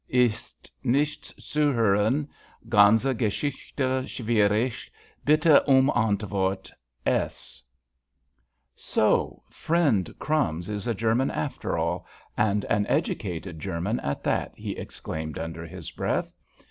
ist nichts zu hören. Ganze geschichte schwierig. Bitte um antwort.—S_. "So, friend 'Crumbs' is a German after all, and an educated German at that," he exclaimed under his breath.